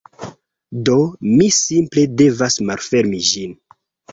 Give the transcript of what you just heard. Do, mi simple devas malfermi ĝin